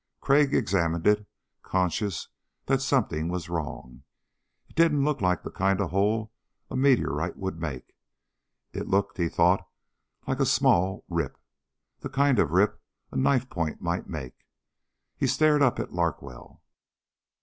Crag examined it, conscious that something was wrong. It didn't look like the kind of hole a meteorite would make. It looked, he thought, like, a small rip. The kind of a rip a knife point might make. He stared up at Larkwell.